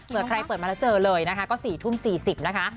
เผื่อใครเปิดมาแล้วเจอเลยนะคะก็๔๔๕นนะคะ